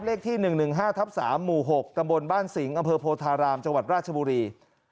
เลขที่๑๑๕ทับ๓หมู่๖ตำบลบ้านสิงห์อำเภอโพธารามจังหวัดราชบุรี